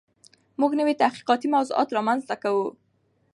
موږ نوي تحقیقاتي موضوعات رامنځته کوو.